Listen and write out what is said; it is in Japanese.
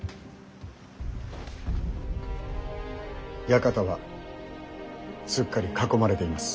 館はすっかり囲まれています。